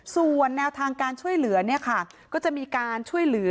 ส่วนแนวทางการช่วยเหลือก็จะมีการช่วยเหลือ